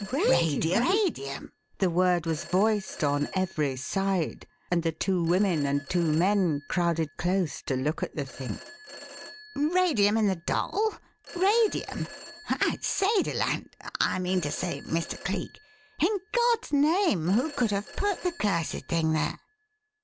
"Radium!" The word was voiced on every side, and the two women and two men crowded close to look at the thing. "Radium in the doll? Radium? I say, Deland I mean to say, Mr. Cleek in God's name, who could have put the cursed thing there?"